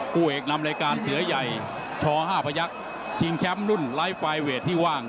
ผู้เอกนำรายการเสือใหญ่ช๕พยักษ์ชิงแชมป์รุ่นไลฟ์ไฟลเวทที่ว่าง